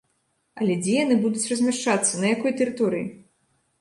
Але, дзе яны будуць размяшчацца, на якой тэрыторыі?